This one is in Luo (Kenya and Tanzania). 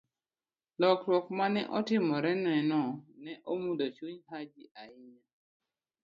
Lokruok ma ne otimoreno ne omulo chuny Haji ahinya.